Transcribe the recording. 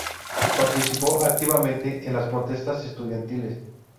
Participó activamente en las protestas estudiantiles.